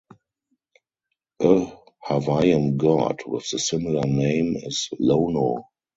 A Hawaiian god with the similar name is Lono.